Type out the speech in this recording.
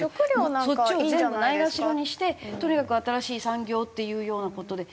そっちを全部ないがしろにしてとにかく新しい産業っていうような事で。